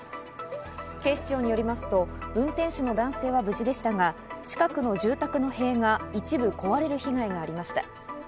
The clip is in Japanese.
警視庁によりますと、運転手の男性は無事でしたが、近くの住宅の塀が一部壊れる被害がありました。